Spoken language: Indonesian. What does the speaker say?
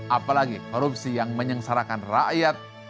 apalagi korupsi yang menyengsarakan rakyat